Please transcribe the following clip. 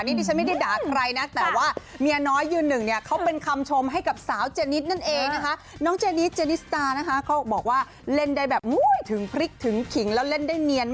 นี่นี่ฉันไม่ได้ด่าใครนะแต่ว่าเมียน้อยยืนหนึ่งามีนเนี่ย